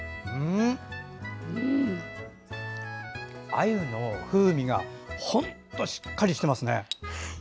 あゆの風味が本当しっかりしてますね。